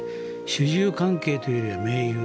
主従関係というよりは盟友。